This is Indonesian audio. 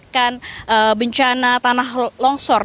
dan bencana tanah longsor